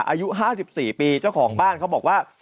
อายุ๕๔ปีเจ้าของบ้านเขาบอกว่า